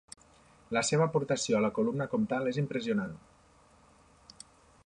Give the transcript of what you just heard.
La seva aportació a la columna comtal és impressionant.